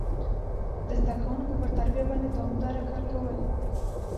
د زده کوونکو پر تربيه باندي دوامداره کار کول،